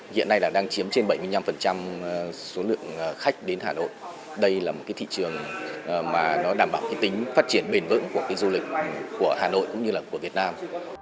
hiện nay đang chiếm trên bảy mươi năm số lượng khách đến hà nội đây là một thị trường đảm bảo tính phát triển bền vững của du lịch của hà nội cũng như việt nam